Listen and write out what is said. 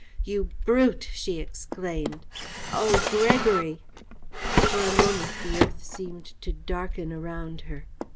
"You brute!" she exclaimed. "Oh, Gregory!" For a moment the earth seemed to darken around her.